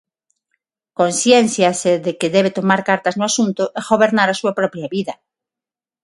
Conciénciase de que debe tomar cartas no asunto e gobernar a súa propia vida.